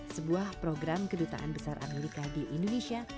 sebuah program kedutaan besar amerika di indonesia